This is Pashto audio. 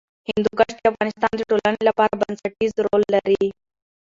هندوکش د افغانستان د ټولنې لپاره بنسټيز رول لري.